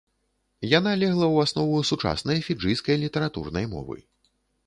Яна легла ў аснову сучаснай фіджыйскай літаратурнай мовы.